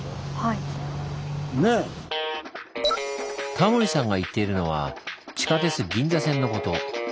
タモリさんが言っているのは地下鉄銀座線のこと。